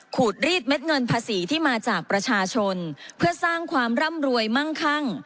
ขูดรีดเม็ดเงินภาษีที่มาจากประชาชนเพื่อสร้างความร่ำรวยมั่งคั่ง